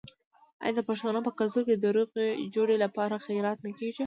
آیا د پښتنو په کلتور کې د روغې جوړې لپاره خیرات نه کیږي؟